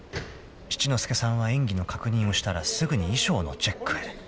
［七之助さんは演技の確認をしたらすぐに衣装のチェックへ］